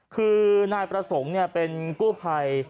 คือนายประสงค์เป็นกู้ภัย